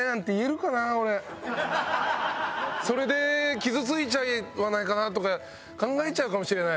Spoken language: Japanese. それで傷ついちゃわないかなとか考えちゃうかもしれない。